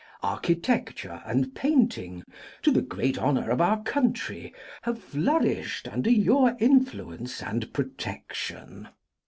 Architecture and painting, to the great honour of our country, have flourished under your influence and protection.